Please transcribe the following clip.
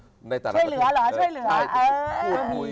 ช่วยเหลือเหรอ